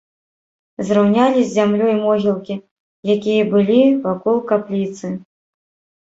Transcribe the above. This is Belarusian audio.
Зраўнялі з зямлёй могілкі, якія былі вакол капліцы.